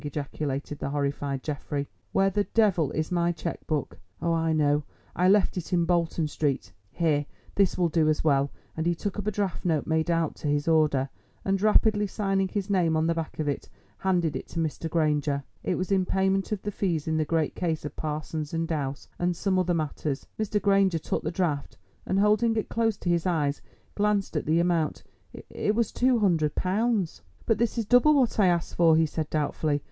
ejaculated the horrified Geoffrey. "Where the devil is my cheque book? Oh, I know, I left it in Bolton Street. Here, this will do as well," and he took up a draft note made out to his order, and, rapidly signing his name on the back of it, handed it to Mr. Granger. It was in payment of the fees in the great case of Parsons and Douse and some other matters. Mr. Granger took the draft, and, holding it close to his eyes, glanced at the amount; it was £200. "But this is double what I asked for," he said doubtfully.